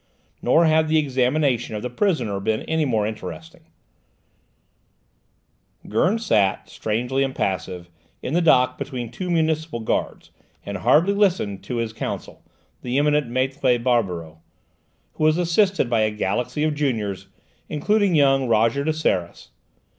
Nor had the examination of the prisoner been any more interesting; Gurn sat, strangely impassive, in the dock between two municipal guards, and hardly listened to his counsel, the eminent Maître Barberoux, who was assisted by a galaxy of juniors, including young Roger de Seras.